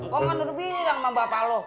kau kan udah bilang sama bapak lo